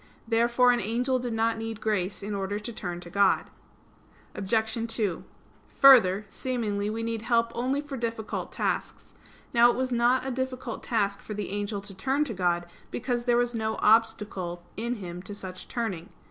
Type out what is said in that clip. Therefore an angel did not need grace in order to turn to God. Obj. 2: Further, seemingly we need help only for difficult tasks. Now it was not a difficult task for the angel to turn to God; because there was no obstacle in him to such turning.